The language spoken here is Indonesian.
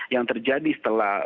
yang terjadi setelah